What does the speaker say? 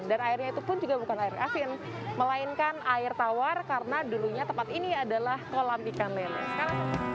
dan airnya itu pun juga bukan air asin melainkan air tawar karena dulunya tempat ini adalah kolam ikan leluhur